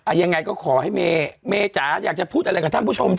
อะไรอย่างไรก็ขอให้เมอยากจะพูดอะไรกับท่านผู้ชม